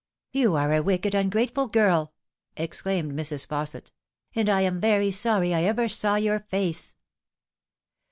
"You are a wicked, ungrateful girl," exclaimed Mrs. Fausset, " and I am very sorry I ever saw your face."